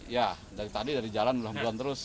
ya dari tadi dari jalan belum bulan terus